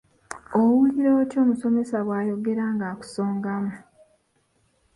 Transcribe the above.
Owulira otya omusomesa bw'ayogera ng'akusongamu?